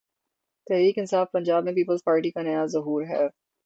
تحریک انصاف پنجاب میں peoples party کا نیا ظہور ہے۔